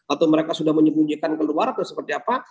atau mereka sudah menyembunyikan keluar atau seperti apa